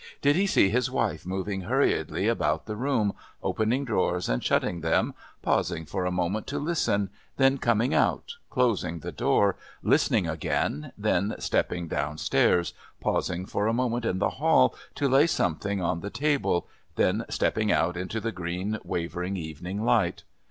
Did he see his wife moving hurriedly about the room, opening drawers and shutting them, pausing for a moment to listen, then coming out, closing the door, listening again, then stepping downstairs, pausing for a moment in the hall to lay something on the table, then stepping out into the green wavering evening light?